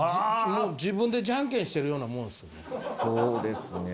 もう自分でジャンケンしてるようなもんですよね？